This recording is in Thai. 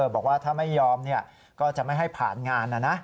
บอกว่าถ้าไม่ยอมก็จะไม่ให้ผ่านงานนะนะ